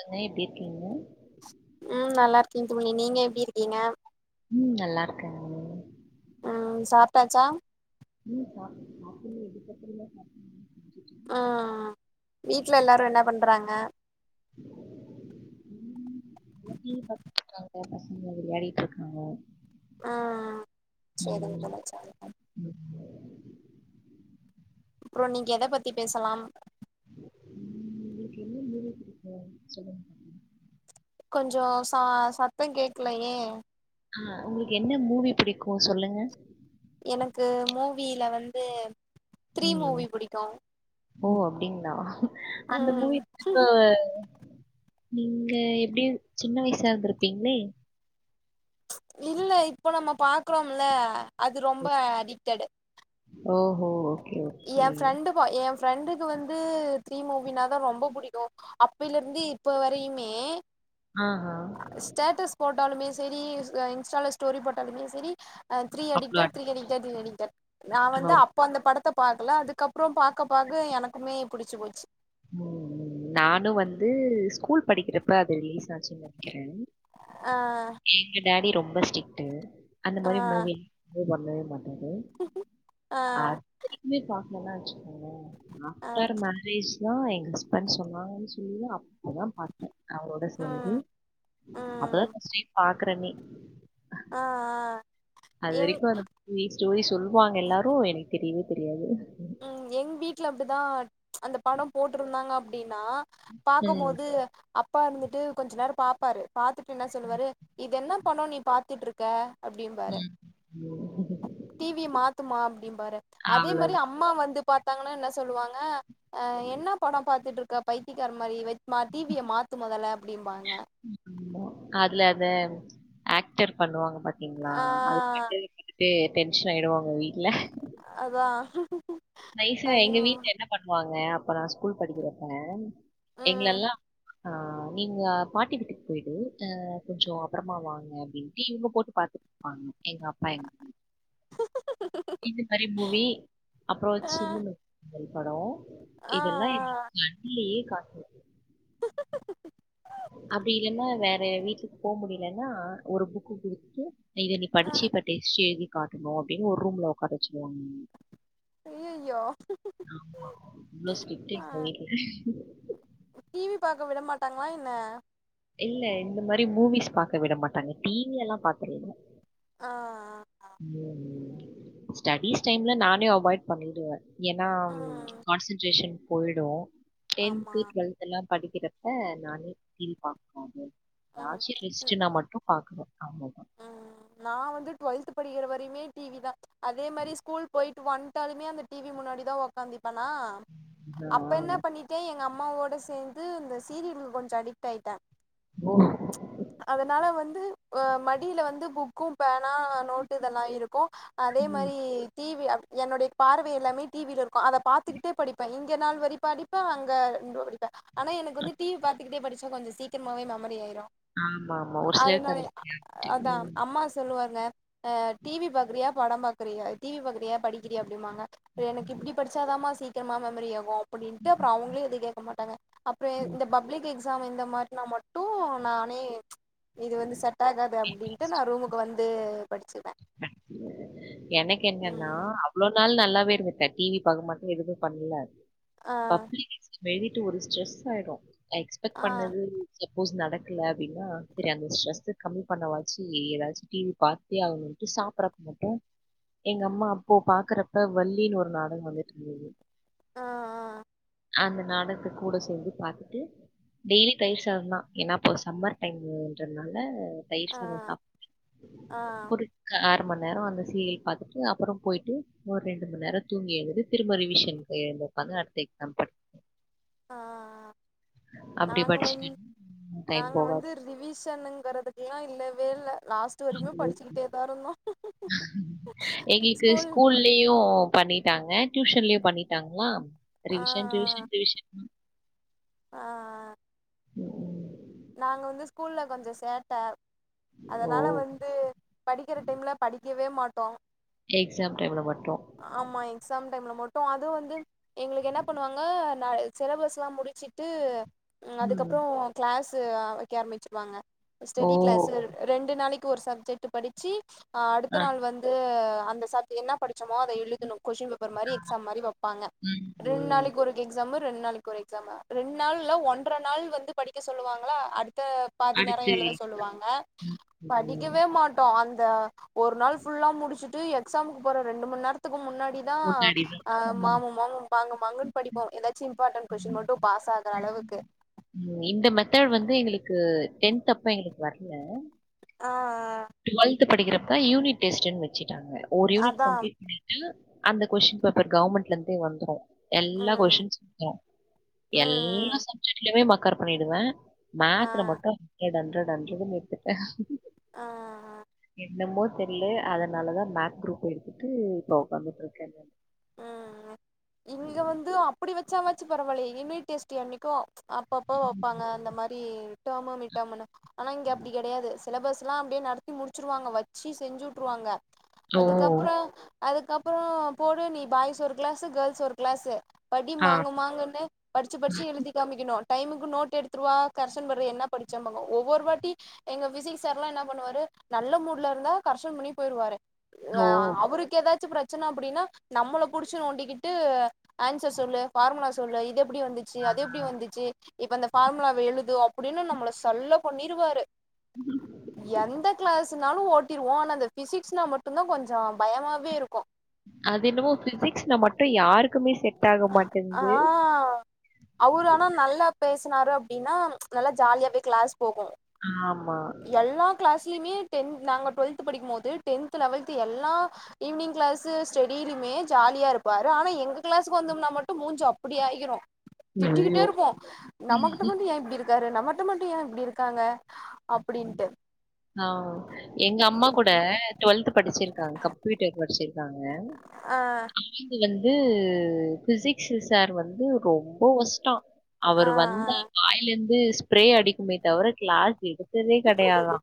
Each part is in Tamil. என்ன எப்படி இருக்கீங்க உம் நல்லா இருக்கேன் தோழி நீங்க எப்படி இருக்கீங்க உம் நல்லா இருக்கேன்ங் ஹம் சாப்பிட்டாச்சா உம் சாப்ப சாப்பிடலா இதுகப்பறதான் சாப்புடுனும் ஹம் வீட்ல எல்லாரும் என்ன பண்றாங்க எல்லா டிவி பாத்துட்டு இருக்காங்க பசங்க வெளயாடிட்டு இருக்காங்க ஆஹ் சரிங்க ம் தோழி சரிங்க தோழி ம் அப்பறம் நீங்க எத பத்தி பேசலாம் உம் உங்களுக்கு என்ன மூவி புடிக்கும் சொல்லுங்க தோழி கொஞ்சொ ச சத்தொ கேக்லயே ஆ உங்களுக்கு என்ன மூவி புடிக்கு சொல்லுங்க எனக்கு மூவில வந்து த்ரீ ம் மூவி புடிக்கும் ஓ அப்டிங்ளா அந்த ம் மூவிப் இப்ப நீங்க எப்டி சின்ன வயசா இருந்துருப்பீங்ளே இல்ல இப்போ நம்ம பாக்றோம்ல அது ரொம்ப அடிக்டடு ஓஹோ ஏ ஓகே ஃப்ரெண்டு ஏ ஃப் ஃப்ரெண்டுக்கு வந்து த்ரீ மூவினாதா ரொம்ப புடிக்கும் அப்பில இருந்து இப்ப வரயுமே ஆஹ் ஹ டாலுமே செரி இன்ஸ் இன்ஸ்டால ஸ்டோரி போட்டாலுமே செரி அ த்ரீ அவ்ளோ அடிட்டட் த்ரீ அடிட்டட் [unintelligible] நா வந்து அனுபவோ அப்ப அந்த படத்த பாக்ல அதுக்கப்றோ பாக்க பாக்க எனக்குமே புடுச்சு போச்சு ம் நானு வந்து ஸ்கூல் படிக்கறப்ப அது ரிலீஸ் ஆச் ஆ எங்க டாடி ரொம்ப ஸ்ட்ரிக்ட்டு அந்த ஆ மாரி மூவி அலோவ் பண்ணவே மாட்டாரு ஆ அத் து பாக் என வச்சுக்கோங்க ஆ ஆஃப்டர் மேரேஜ் தா எங்க ஹஸ்பண்ட் சொன்னாங்க சொல்லியு அப் அதா பாத்தே அவரோட சேந்து ம் அப்பதா ம் ஃபர்ஸ்ட் டைம் பாக்குறேனே ஆ அ அது வரைக்கு அந்த த்ரீ ஸ்டோரி சொல்லுவாங்க எல்லாரு எனக்கு தெரியவே தெரியாது ம் எங் வீட்ல அப்டிதா அந்த படோ போட்ருந்தாங்க அப் நா ம். ம். பாக்கபோது அப்பா இருந்துட்டு கொஞ்ச நேர பாப்பாரு பாத்துட்டு என்ன சொல்லுவாரு இது என்ன படோ நீ பாத்துட்ருக்க அப்டிம்பாரு ம். டீவிய மாத்துமா அப்டிம்பாரு அதே அவ்ளோதான். மாரி அம் ம்மா வந்து பாத்தாங்கனா என்ன சொல்லுவாங்க அ என்ன படோ பாத்துட்ருக் கா பைத்தியகார மாரி வைச் மாத்தி டீவிய மாத்து மொதல்ல அப்டிம்பாங்க அதுல அந்த ஆக்டர் பண்ணுவாங்க பாத்தீங்களா ஆ அது க [inaudible] டென்ஷ்ன் ஆய்டுவாங்க அதா நைசா அப்டி எங்க வீட்ல என்ன பண்ணுவாங்க அப்ப நா ஸ்கூல் படிக்கிறப்ப ம் எங்ளெல்லா நீங்க பாட்டி வீட்டுக்கு போய்டு கொஞ்சோ அப்பறமா வாங்க அப்டின்ட்டு இவுங்க போட்டு பாத்துட்ருபாங்க எங்க அப்பா எங் இது பரு புவி ஆ அப்பறோ ஆ ஆ இதெல்லா எங்க கண்ணுலயே கா அப்டி இல்லனா வேற வீட்டுக்கு போக முடிலன்னா ஒரு புக்கு குடுத்துட்டு இத நீ ஆ படிச்சு இப்ப டெஸ்ட் எழுதி காட்டணு அப்டின் ஒரு ரூம்ல ஒக்கார வச்சுடுவாங்க ஐயையோ ஆமா இவ்ளோ ஸ்டிரிக்ட் ஆ எங்க வீட்ல தங்காயன இல்ல இந்த மாரி மூவிஸ் பாக்க விட மாட்டாங்க டிவி எல்லா பாத்துர்லா ஆ ஸ்டடிஸ் டைம்ல நானே அவாய்ட் பண்ணிடுவே ஏனா ஆ ம் கான்சன்ட்ரேஷன் போய்டு ஆமா டென்து டுவெல்த்ல்லா படிக்கிறப்ப நானே டீவி பாக்காது ம் [unintelligible] மட்டு பாக்குவ ஆமாதா ம் நா வந்து டுவெல்த் படிக்கிற வரையுமே டீவி தா அதே மாரி ஸ்கூல் போயிட் வன்டாலுமே அந்த டீவி முன்னாடி தா உக்காந்திப்பனா அப்ப அவ்ளோதா என்ன பண்ணிட்டே எங்க அம் ம்மாவோட சேந்து இந்த சீரியல் கொஞ்ச அடிக்ட் ஆயிட்டே அதனால வந்து அ மடியில வந்து புக்கு பேன் நோ நோட்டு இதெல்லா இருக்கு அதே மாரி டிவி என்னோடைய பார்வை எல்லாமே டிவிலருக்கு அத பாத்துக்கிட்டு படிப்பே இங்க நாள் வரி படிப்பே அங்க படிப்பே ஆனா எனக்கு டிவி பாத்துக்கிட்டே படிச்சா கொஞ்சோ சீக்கிரமாவே மெமரி ஆயிரு ஆமா ஆமா ஒரு அதனால சிலர் [inaudible] அதா ம் அம்மா சொல்லுவாங்க டிவி பாக்கிறியா படம் பாக்கிறியா டிவி பாக்கிரியா படிக்கிறியா அப்படிமாங்க எனக்கு இப்பிடி படிச்சாதாமா சீக்கிரமா மெமரி ஆகு அப்டின்ட்டு அப்புறோ அவுங்களே எது கேக்க மாட்டாங்க அப்பறோ ம். இந்த பப்ளிக் எக்ஸாமு இந்த மாரினா மட்டும் நானே இது வந்து செட்டாகாது அப்டின்ட்டு நா ரூமுக்கு வந்து படிச்சு எனக்கு என்னன்னா ம் அவ்ளோ ல்லா நல்லாவே இருந்துட்ட டிவி பாக்க மாட்ட எதுவுமே பண்ணல ஆ மேய்விட்டு ஒரு ஸ்ட்ரெஸ்சாயிடு நா எக்ஸ்பெக்ட் ஆ பண்ணது ஏப் சப்போஸ் நடக்கல அப்டின்னா செரி அந்த ஸ்ட்ரெஸு கம்மி பண்ணவாச்சு ஏதாச்சு டிவி பாத்தே ஆவணு சாப்டறப்ப மட்டு எங்க அம்மா அப்போ பாக்கறப்ப வள்ளின்னு ஒரு நாடகோ வந்துட்டு இருந்தது ஆ ஆ அந்த நாடகத் கூட சேந்து பாத்துட்டு டெய்லி தயிர் சாதந்தா ஏன்னா அப்போ சம்மர் டைம்ன்றதுனால தயிர் ஆ ஆ சாதம் சாப் ஆ ஒரு ஆறு மண் நேரோ அந்த சீரியல் பாத்துட்டு அப்பறோ போயிட்டு ஒரு ரெண்டு மணி நேரோ தூங்கி எழுந்து திரும்ப ரிவிஷன் பெய் எழுந்து உக்காந்து அடுத்த எக்ஸாம் பட் ஆ ஆ அப்டி படிச்சிட்டு நாங்க வந்து ரிவிஷனுங்கறதுக்கெல்லா இல்லவே இல்ல லாஸ்ட் டு வரைக்கு படிச்சிக்கிட்டே தா இருந்தோ எங்களுக்கு ஸ்கூல் ஸ்கூல்லயு பண்ணிட்டாங்க டியூஷன்லயு பண்ணிட்டாங்ளா ரிவிஷன் ரிவிஷன் ரிவிஷன் தா ஆ ஆ ம் நாங்க வந்து ஸ்கூல்ல கொஞ்சோ சேட்ட ஓ அதனால வந்து படிக்கிற டைம்ல படிக்கவே மாட்டோ எக்ஸாம் டைம்ல மட்டு ஆமா எக்ஸாம் டைம்ல மட்டு அதுவு வந்து எங்களுக்கு என்ன பண்ணுவாங்க நா சிலபஸ்லா முடிச்சுட்டு ம் அதுக்கப்புறோ கிளாஸ் வைக்க ஆரம்பிச்சிருவாங்க ஓ ஸ்டெடி கிளாஸு ரெண்டு நாளைக் க்கு ஒரு சப்ஜெக்ட் படிச்சு ஆ, அடுத்த நாள் வந்து அந்த சப் என்ன படி சமோ அத எழுதனு கொஸ்டின் பேர் மாரி எக்ஸாம் மாரி வெப்பாங்க ம், ரெண்டு ம். நாளைக்கு ஒரு எக்ஸாமு ரெண்ட் நாளைக்கு ஒரு எக்ஸாமு ரெண்ட் நாள்ல ஒன்ற நாள் வந்து படிக்க சொல்லுவாங்ளா அடுத் த பாதி நேரோ அடுத்து எழுத சொல்லுவாங்க ம், ம். படிக்கவே மாட்டோ அந் த ஒரு நாள் ஃபுல்லா முடிச்சுட்டு எக்ஸாமுக்கு போற ரெண்டு மணி நேரத்துக்கு முன் னாடி தா முன்னாடி தான். அ ம், மாங்கு மாங்குனு படிப்போ ஏதாச்சு இம்பாடென்ட் கொஸ்டின் மட்டும் பாஸ் ஆற அளவுக் ஓகே இந்த மெத்தர்ட் வந்து எங்களுக்கு டென்த் அப்ப எங்களுக்கு வரல ஆ ஆ டென்த் படிக்கிறப்ப யூனிட் டெஸ்ட் வெச்சுட்டாங்க ஒரு யூனிட் அதா கம்ளீட் பண்ணிட்டு அந்த கொஷின் பேப்பர் கவர்மெண்ட்லருந்தே வந்துரு எல்லா ம் கொஸின்லையு எல்லா ம் சப்ஜெக்ட்லயுமே மக்கர் பண்ணிடுவே ஆ மேத்ல மட்டு ஹண்ட்ரட் ஹண்ட்ரட் அண்ட் எத்துட்டே ஆ என்னமோ தெரியல அதனாலதா மேக்ஸ் குரூப் எடுத்துட்டு இப்ப உட்காந்துட்டு இருக்கேங்க ம் ம் இங்க வந்து அப்பிடி வெச்சாவாச்சு பரவால்லையே யுனிட் டெஸ்ட்டு அன்னைக்கு அப்பப்ப வப்பாங்க அந்த மாரி டேம் மானி டேமுனு ஆனா இங்க அப்டி கெடையாது சிலபஸ்லா அப்டியே நடத்தி முடிச்சிருவாங்க வச்சு செஞ்சு வுட்டுருவாங்க ஓ! அதுக்கப்றோ அதுக்கப்றோ போடு நீ பாய்ஸ் ஒரு கிளாஸு கேர்ள்ஸ் ஒரு கிளாஸு படி ஆ. மாங்கு மாங்குன்னு படிச்சு படிச்சு எழுதி காமிக்கணு டைமுக்கு நோட் எடுத்துருவா கரக்ஷன் பண்றது என்ன படிச்சேம்பாங்க ஒவ்வொரு வாட்டி எங்க ஃபிசிக்ஸ் சார்லா என்னா பண்ணுவாரு நல்ல மூட்ல இருந்தா கரக்ஷன் பண்ணி போயிருவாரு ஆ ஓ! அவருக்கு எதாச்சு பிரச்சன அப்டினா நம்மள புடிச்சு‌ நோண்டிக்கிட்டு ஆன்சர் சொல்லு ஃபார்முலா சொல்லு இதப் பெப்டி வந்துச்சு அது எப்டி வந்துச்சு இப்ப அந்த ஃபார்முலாவ எழுது அப்டின்னு நம்மள சல்ல பண்ணிருவாரு உம் இருந்தாலு ஓட்டிருவோ ஆனா அந்த ஃபிசிக்ஸ்னா மட்டுந்தா கொஞ்ச பயமாவே இருக்கு அது என்னமோ ஃபிசிக்ஸ்னா மட்டு யாருக் ஆ அவுரு ஆனா நல்லா பேசு னாறு அப்டின்னா நல்லா ஜாலியாவே கிளாஸ் போகு ஆமா த்லைமே டென் நாங்க டுவெல்த்து படிக்கும்மோது டென்த்து லவல்த்து எல்லா ஈவ்னிங் கிளாஸு ஸ்டெடிலியுமே மே ஜாலியா இருப்பாரு ஆனா எங்க கிளாஸுக்கு வந்தம்னா மட்டு மூஞ்சு அப்டி ஆகிரு திட்டிக்கிட்டே ஐயோ! இருப்போ நம்மகிட்ட வந்து ஏ இப்டி இருக் காரு நம்மட்ட மட்டு ஏ இப்டி இருக்காங்க அப்டின்ட்டு ஆவ் எங்க அம்மா கூட டுவெல்த்து படிச்சிருக்காங்க கம்ப்யூட்டர் படிச்சிருக்காங்க ஆ நயந்து வந் து ஃபிசிக்ஸு சாரு வந்து ரொம்ப வொஸ்ட்டா ஆ அவரு வந்தா வாயிலருந்து ஸ்ப்ரே அடிக்குமே தவர கிளாஸ் எடுத் ததே கெடையாதா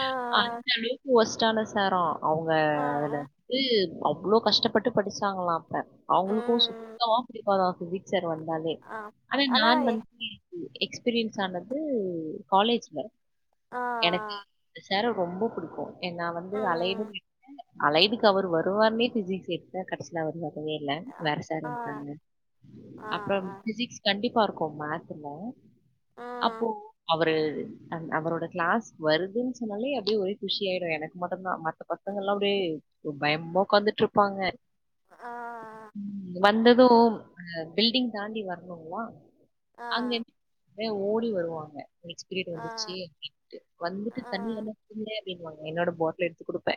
ஆ ஆ அந்த அளவுக்கு ஒஸ்ட்டான சாரா அவுங்க ஆ அதுல வந்து அவ்ளோ கஷ்டப்பட்டு படிச்சாங்களா அ ஆ அவ்ங்களுக்கு ம் சுத்தமா புடிக்காதா ஃபிசிக்ஸ் சார் ட்டு வந்தாலே ஆ ஆனா நான் வந்துமே எக்ஸ்பீரியன்ஸ் ஆனது காலேஜ்ல ஆ ஆ எனக்கு சார ரொம்ப புடிக்கு எங் நா வந்து அலைடுன்னே அலைடுக்கு அவரு வருவார்ன்னே ஃபிசிக்ஸ் எடுத்தே கடசில அவரு வல் வே இல்ல ஆ வேற சார் ஆ வந்துட்டாங்க ஆ அப்றம் ஆ ஃபிசிக்ஸ் கண்டிப் பா இருக்கு மேத்துல ஆ அப்போ அவரு அன் அவரோட கிளாஸ் வருதுன் சொன்னாலே அப்டியே ஒரே குஷி ஆயிரு எனக்கு மட்டுந்தா மத்த பசங்கள்லா அப்டியே ம் பயமா ஒக்காந்துட்ருப்பாங்க ஆ ம் வந்தது ம் அ பில்டிங் தாண்டி வர்ணுங்ளா ஆ அங்கெங்க ஏ ஓடி வருவாங்க நெக்ஸ்ட் பிரீயட் ஆ வந்து சி எம் ட்டு வந்துட்டு ஆ தண்ணி இல்லாம இருவரூவாயா அப்டின்னு வாங்க என்னோட பாட்டில் எடுத்து குடுப்பே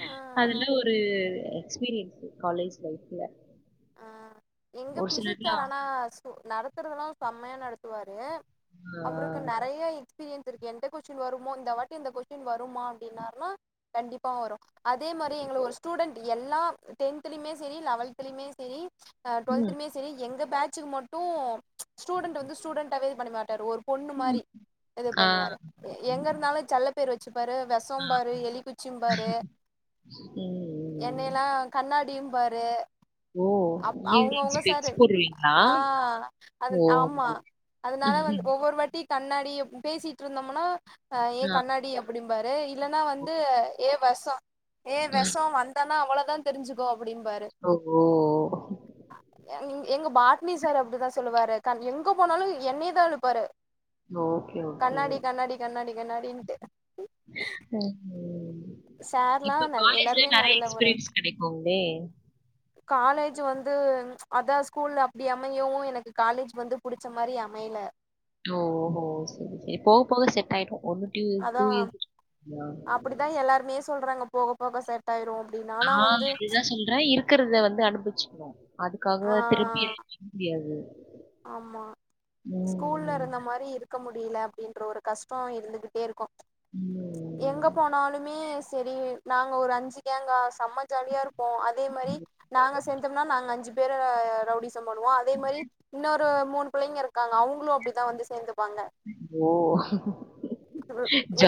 ஆ அதுலா ஒரு எக்ஸ்பீரியன்ஸு காலேஜ் லைஃப்ல ஆ எங்க ஒரு ஃபிசிக்ஸ் சார் சிலர்லாம் ஆனா சு நடத்துறதெல்லா செம்மையா நடத்துவாரு ஆ அவருக்கு நெறையா எக்ஸ்பீரியன்ஸ் இருக்கு எந்த கொஸ்டின் வருமோ இந்த வாட்டி இந்த கொஸ்டின் வருமா அப்டின்னாருனா கண்டிப்பா வரு அதே மாரி இதுல ஒரு ஸ்டூடெண்ட்டு எல்லா டென்தலயுமே சேரி லெவல்தலயுமே சே ரி ஆ ம், டுவெல்த்துலயுமே சேரி எங்க பேட்சுக்கு மட்டு ஸ்டூடெண்ட் வந்து ஸ்டூடெண்ட்டாவே பண்ண மாட்டாரு ஒரு பொண்ணு மாரி ம், இது ஆ, பண்ணுவாரு எ எங்க இருந்தாலு செல்ல பேரு வச்சு ப்பாரு வெசம் பாரு எலிக்குச்சிம் பாரு ம். என்னெய்லா கண்ணாடியும் பாரு ஓ! அப் ஈவினிங் அவுங்கவுங்க சாரு ஸ்பெக்ஸ் போடுவீங்களா? ஆ அது ஓ! ஆமா அதுனால வந் ஒவ்வொரு வாட்டி கண்ணாடியும் ம் பேசிட்ருந்தோமுனா அ ஏ ஆ. கண்ணாடி அப்டின் பாரு இல்லனா வந்து ஏ வெச ஏ வெச வந்தனா அவ்வளதா தெரிஞ்சுக்கோ அப்டின் பாாரு ஓ! ஓ! ய எங் எங் எங்க பாட்னி சார் அப்படிதா சொல்லுவாரு கன் எங்க போனாலு என்னயேதா இழுப்பாரு. Okay, okay. கண்ணாடி கண்ணாடி கண்ணாடி கண்ணாடின்ட்டு ம் ம் சார்லா இப்ப நல் காலேஜ்ல எல்லாருமே நெறைய நல்ல ஒரு எக்ஸ்பீரியன்ஸ் கெடைக்குமே காலேஜ் வந்து அதா ஸ்கூல்ல அப்படி அமையவு எனக்கு காலேஜ் வந்து புடிச்ச மாரி அமையல. டோஹோ சரி சரி போக போக செட்டாய்டு ஒன்னு டூ அதா டு இய [inaudible] அப்டிதா எல்லாருமே சொல்றாங்க போக போக செட்டாயிரும். ஆ அதுதா சொல்ற இருக்கிறத வந்து அனுபவிச்சுக்குவோ அதுக்காக ஆ திருப்பி எதுவு செய்ய முடியாது ஆமா ஸ்கூல்ல ம். இருந்த மாரி இருக் க்க முடியல அப்படின்ற ஒரு கஷ்டொ இருந்துக்கிட்டே இருக்கு எங்க ம். போனாலுமே செரி நாங்க ஒரு அஞ்சு கேங்க்கா செம்ம ஜாலியா இருப்போ அதே மாரி நாங்க சேந்தோம்னா நாங்க அஞ்சு பேர ரவுடிசம் பண்ணுவோ அதே மாரி இன்னோரு மூணு புள்ளைங்க இருக்காங்க அவங்களும் அப்படிதா வந்து சேந்து ஓ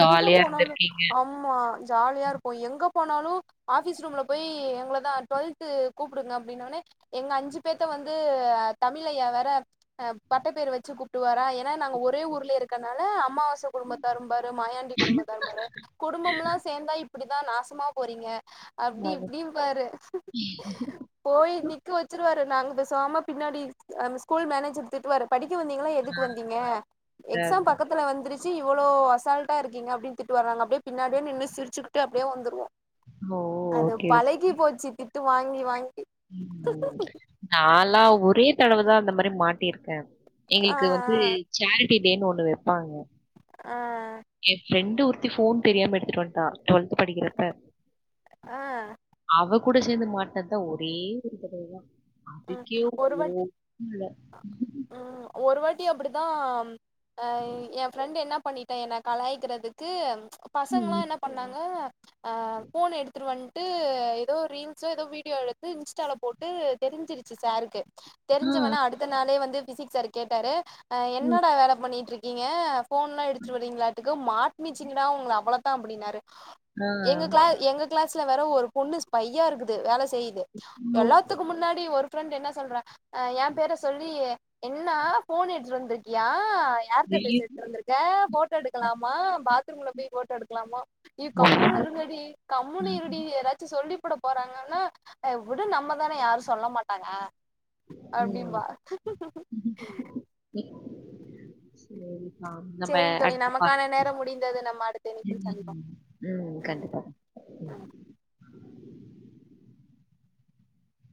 எங்க போனாலு இருந்திருக்கீங்க. ஆமா ஜாலியா இருப்போ எங்க போனாலு ஆஃபிஸ் ரூம்ல போய் எங்களதா டுவெல்த் கூப்புடுங்க அப்டின்னோனே எங்க அஞ்சு பேத்த வந் ந்து அ தமிழ் தமிழ் ஐயா வேற அ பட்டப்பேர் வச்சு கூப்ட்டுவாரா ஏனா நாங்க ஒரே ஊர்ல இருக்கனால அம்மாவ ச குடும்பத்தாரும்பாரு மாயாண்டி குடும்பத்தாரும்பாரு குடும்பம்ல்லா சேர்ந்தா இப்படிதா நாசமா போறீங்க. அப்டி அது. இப்டிம்பாரு போய் நிக்க வச்சிருவாரு. நாங்க பேசாம பின்னாடி அம் ஸ்கூல் மேனேஜர் திட்டுவாரு படிக் க வந்தீங்களா எதுக்கு வந்தீங்க எக்ஸாம் அதான். பக்கத்துல வந்துருச் சு இவ்ளோ அசால்ட்டா இருக்கீங்க அப்படின் திட்டுவாரு நாங்க அப்டியே பின்னாடியே நின்னு சிரிச்சுக்குட்டு அப்டியே வந்துருவோ. ஓ! அது ஓகே. பழகி போச்சு திட்டு வாங்கி வாங்கி நான்லா ஒரே தடவதா அந்த மாரி மாட்டிருக்கே ஆ எங்களுக்கு வந்து சேரிட்டி டேன்னு ஒன்னு வைப்பாங்க. ஆ எ ஃப்ரெண்டு ஒருத்தி ஃபோன் தெரியாம எடுத்துட்டு வந்ட்டா டுவல்த் படிக்கிறப்ப. ஆ அவ கூட சேந்து மாட்டினதுதா ஒரே ஒரு தடவதா ம் ஒரு வாட்டி ம் ஒரு வாட் டி அப்டிதா அ எ ஃப்ரெண்ட் என்னா பண்ணிட்ட என்ன கலாயிக்கிறதுக்கு பசங்கலா ம். என்ன பண்ணாங்க அ ஃபோன எடுத்துருவன் டு எதோ ரீல்ஸோ எதோ வீடியோ எடுத்து இன்ஸ்டால போட்டு தெரிஞ்சிருச்சு சாருக்கு ஆ. தெரிஞ் அவன அடுத்த நாளே வந்து பிசிக்ஸ் சாரு கேட்டாரு அ ம். என்னடா வேல பண்ணிட்ருக்கீங்க? ஃபோன்லா எடுத்துட்வரிங்ளாட்டுக்கு மாட்னிச்சிங்கடா ஒங்கள அவ்வளதா அப்டின்னாரு ஆ. எங்க கிளா எங்க கிளாஸ்ல வேற ஒரு பொண்ணு ஸ்பையாருக்குது வேல செய்து ஐயோ! எல்லாத்துக் முன்னாடி ஒரு ஃபிரெண்ட் என்ன சொல்றா அ எ பேர சொல்லி என்னா ஃபோன் எடுத்துட் வந்துருக்கியா? ஆ யார்ட்ட வெளிய பேசிட்டு இருந்திருக்க ஃபோட்டோ எடுக்கலாமா பாத்ரூம்ல போய் ஃபோட்டோ எடுக்கலாமா இ கம்முனு இருங்கடி கம்முனு இருடி எதாச்சு சொல்லி ப்புட போறாங்கன்னா எ விடு நம்மதான யாரு சொல்ல மாட்டாங்க. ம். அப்டிம்பா சேரி செரிங் தோழி நமக்கான நேரம் முடிந்தது நம்ம அடுத்த இணைப்பில் சந்திப்போம் ம். ம் கண்டிப்பா. ம்